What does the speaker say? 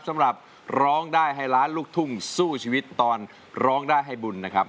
สำหรับร้องได้ให้ล้านลูกทุ่งสู้ชีวิตตอนร้องได้ให้บุญนะครับ